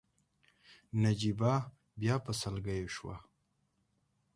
نجيبه بيا په سلګيو شوه.